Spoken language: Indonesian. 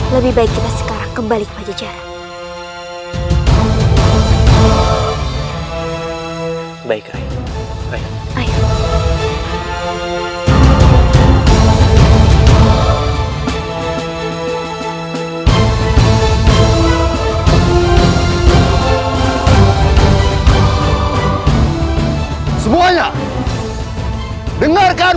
lebih baik kita sekarang kembali ke pajajaran